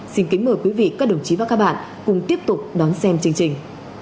xin kính mời quý vị các đồng chí và các bạn cùng tiếp tục đón xem chương trình